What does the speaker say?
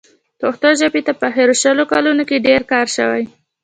پښتو ژبې ته په اخرو شلو کالونو کې ډېر کار شوی.